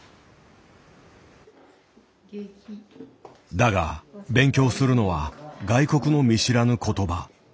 だが勉強するのは外国の見知らぬ言葉。